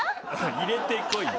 入れてこいよ。